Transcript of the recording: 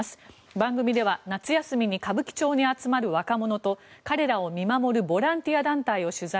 番組では夏休みに歌舞伎町に集まる若者と彼らを見守るボランティア団体を取材。